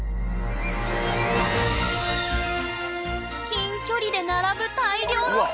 近距離で並ぶ大量の蓋。